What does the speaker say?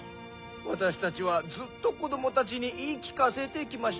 わたしたちはずっとこどもたちにいいきかせてきました。